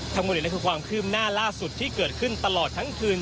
ทั้งหมดนี้คือความคืบหน้าล่าสุดที่เกิดขึ้นตลอดทั้งคืน